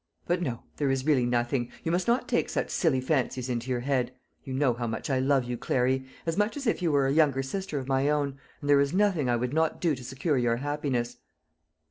But no; there is really nothing; you must not take such silly fancies into your head. You know how much I love you, Clary as much as if you were a younger sister of my own; and there is nothing I would not do to secure your happiness."